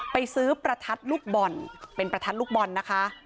ไปซื้อประทัดลูกบอลเป็นประทัดลูกบอลนะคะ